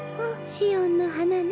シオンのはなね。